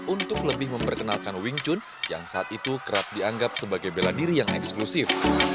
untuk lebih memperkenalkan wing chun yang saat itu kerap dianggap sebagai bela diri yang eksklusif